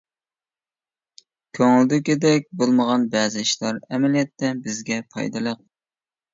كۆڭۈلدىكىدەك بولمىغان بەزى ئىشلار ئەمەلىيەتتە بىزگە پايدىلىق.